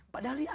padahal ini azan